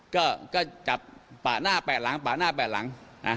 ก็จับปากหน้าแปะหลังปากหน้าแปะหลัง